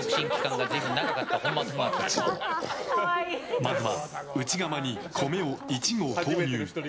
まずは内釜に米を１合投入。